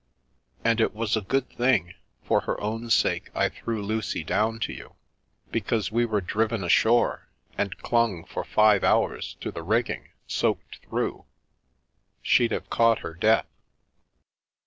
And it was a good thing, for her own sake, I threw Lucy down to you, because we were driven ashore, and clung for five hours to the rigging, soaked through. She'd have caught her death."